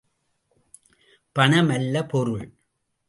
பணம் அல்ல பொருள்!